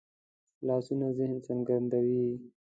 لاسونه ذهن څرګندوي